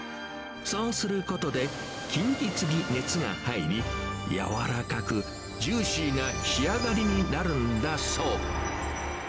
そうすることで、均一に熱が入り、柔らかく、ジューシーな仕上がりになるんだそう。